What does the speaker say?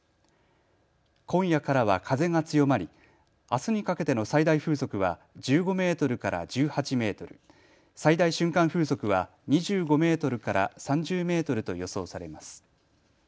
今夜からは風が強まりあすにかけての最大風速は１５メートルから１８メートル、最大瞬間風速は２５メートルから３０メートルと予想されます。